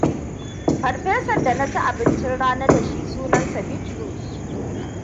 Farfesan da naci abincin rana da shi sunansa Bitrus.